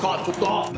ちょっと！